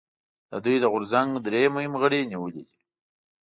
د دوی د غورځنګ درې مهم غړي نیولي دي